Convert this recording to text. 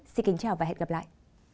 xin kính chào và hẹn gặp lại